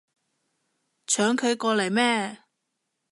搶佢過嚟咩